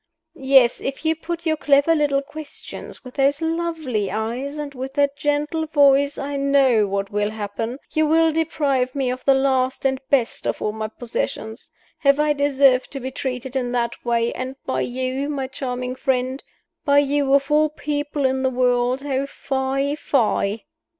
Yes, if you put your clever little questions, with those lovely eyes and with that gentle voice, I know what will happen. You will deprive me of the last and best of all my possessions. Have I deserved to be treated in that way, and by you, my charming friend? by you, of all people in the world? Oh, fie! fie!"